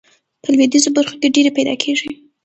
په لویدیځو برخو کې ډیرې پیداکیږي.